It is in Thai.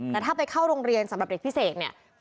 แต่ถ้าไปเข้าโรงเรียนสำหรับเด็กพิเศษเนี่ย